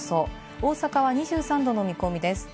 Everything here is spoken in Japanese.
大阪は２３度の見込みです。